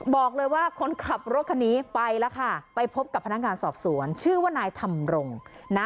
บอกเลยว่าคนขับรถคันนี้ไปแล้วค่ะไปพบกับพนักงานสอบสวนชื่อว่านายธรรมรงนะ